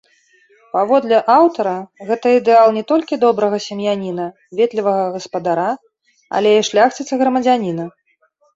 Паводле аўтара, гэта ідэал не толькі добрага сем'яніна, ветлівага гаспадара, але і шляхціца-грамадзяніна.